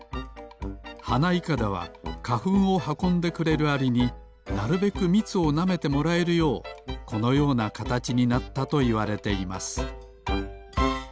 ハナイカダはかふんをはこんでくれるアリになるべくみつをなめてもらえるようこのようなかたちになったといわれています